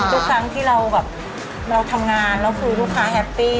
ทุกครั้งที่เราทำงานเราคือลูกค้าแฮปปี้